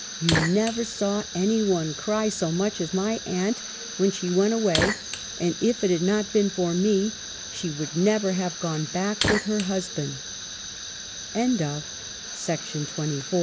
You never saw any one cry, so much as my aunt when she went away, and if it had not been for me, she would never have gone back with her husb